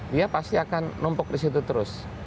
dia pasti akan numpuk di situ terus